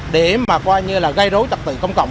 để gây rối trạc tự công cộng